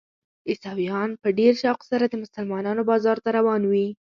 عیسویان په ډېر شوق سره د مسلمانانو بازار ته روان وي.